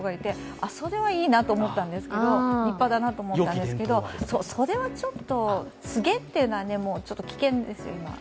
それはいいなと思ったんですけど、立派だなと思ったんですけど、それはちょっと、つげというのはちょっと危険ですよね。